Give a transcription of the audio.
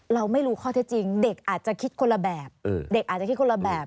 เราไม่รู้ข้อเท็จจริงหรือเด็กัดจะคิดคนละแบบ